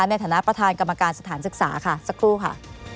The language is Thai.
ในฐานะประธานกรรมการสถานศึกษาค่ะสักครู่ค่ะ